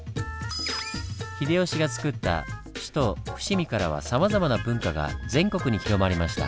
秀吉がつくった首都・伏見からはさまざまな文化が全国に広まりました。